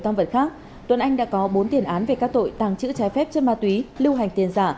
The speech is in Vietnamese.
tăng vật khác tuấn anh đã có bốn tiền án về các tội tàng trữ trái phép chân ma túy lưu hành tiền giả